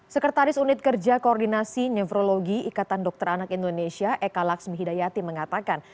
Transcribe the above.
sekretaris unit kerja koordinasi nefrologi ikatan dokter anak indonesia eka laksmi hidayati mengatakan